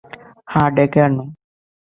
হ্যাঁ, ডেকে আনো।